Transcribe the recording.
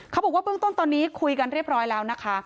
เขาบอกว่าเบื้องต้นตอนนี้คุยกันเรียบร้อยแล้วนะคะ